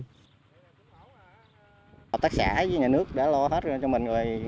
hợp tác xã với nhà nước đã lo hết cho mình rồi